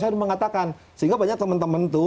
sudah mengatakan sehingga banyak temen temen itu